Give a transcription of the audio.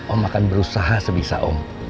om akan berusaha sebisa om